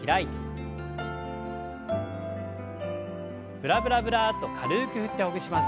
ブラブラブラッと軽く振ってほぐします。